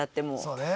そうね。